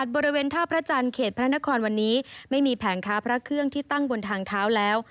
บริเวณท่าพระจันทร์เขตพระนครวันนี้ไม่มีแผงค้าพระเครื่องที่ตั้งบนทางเท้าแล้ว